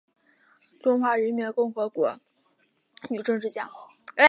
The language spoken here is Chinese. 中华人民共和国女政治家。